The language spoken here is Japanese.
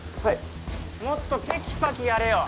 もっとテキパキやれよ。